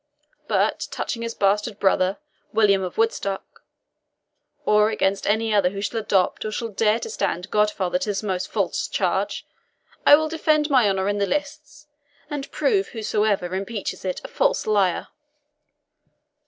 But touching his bastard brother, William of Woodstock, or against any other who shall adopt or shall dare to stand godfather to this most false charge, I will defend my honour in the lists, and prove whosoever impeaches it a false liar."